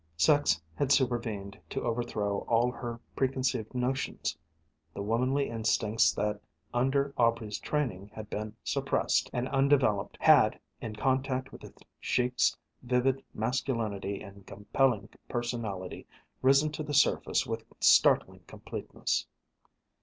Sex had supervened to overthrow all her preconceived notions. The womanly instincts that under Aubrey's training had been suppressed and undeveloped had, in contact with the Sheik's vivid masculinity and compelling personality, risen to the surface with startling completeness.